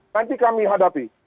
nanti kami hadapi